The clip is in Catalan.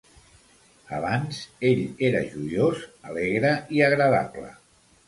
Abans, ell era joiós, alegre i agradable.